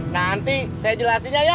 nanti saya jelasinnya ya